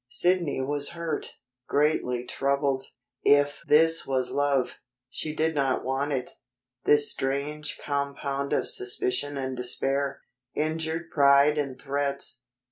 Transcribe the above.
Sidney was hurt, greatly troubled. If this was love, she did not want it this strange compound of suspicion and despair, injured pride and threats.